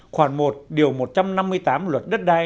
khoảng một điều một trăm năm mươi tám luật đất đai